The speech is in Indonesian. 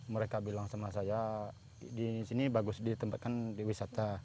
mereka bilang sama saya di sini bagus ditempatkan diwisata